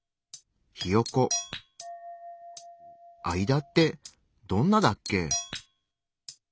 あいだってどんなだっけ？